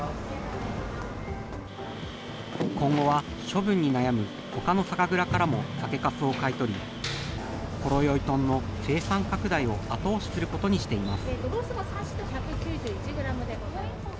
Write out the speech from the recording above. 今後は処分に悩むほかの酒蔵からも酒かすを買い取り、ほろよいとんの生産拡大を後押しすることにしています。